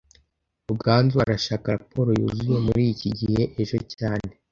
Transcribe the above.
Ruganzu arashaka raporo yuzuye muriki gihe ejo cyane